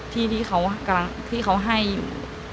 ที่เขาให้อยู่